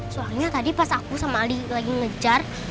soalnya tadi pas aku sama ali lagi ngejar